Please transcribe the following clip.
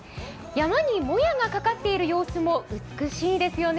山にもやがかかっている様子も美しいですよね。